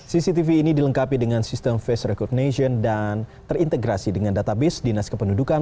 cctv ini dilengkapi dengan sistem face recognition dan terintegrasi dengan database dinas kependudukan